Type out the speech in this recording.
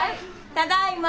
ただいま。